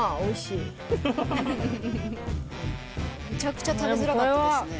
めちゃくちゃ食べづらかったですね。